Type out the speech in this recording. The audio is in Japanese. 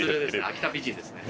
秋田美人ですね。